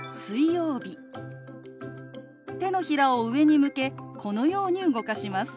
手のひらを上に向けこのように動かします。